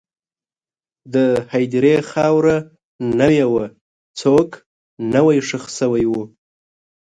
د هدیرې خاوره نوې وه، څوک نوی ښخ شوي وو.